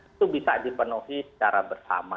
itu bisa dipenuhi secara bersama